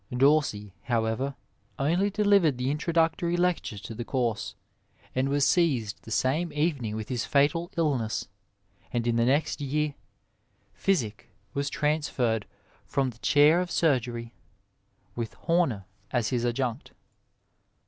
Dorsey, however, only delivered the introductory lecture to the course, ai^ was seized the same evening with his fatal illness ; and in the next year Physick was transferred from the chair of su^ry, with Homer as his adjunct.